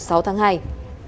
tìn an nanh trả tự